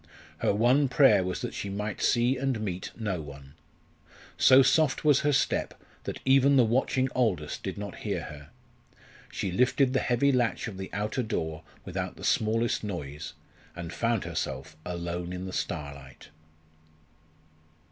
Her one prayer was that she might see and meet no one. So soft was her step that even the watching Aldous did not hear her. She lifted the heavy latch of the outer door without the smallest noise, and found herself alone in the starlight.